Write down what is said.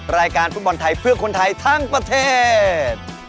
รายการฟุตบอลไทยเพื่อคนไทยทั้งประเทศ